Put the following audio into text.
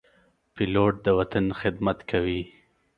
پیلوټ د وطن خدمت کوي.